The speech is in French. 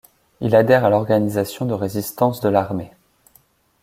Il adhère à l'Organisation de résistance de l'armée.